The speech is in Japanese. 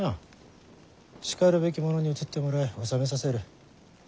しかるべき者に移ってもらい治めさせる。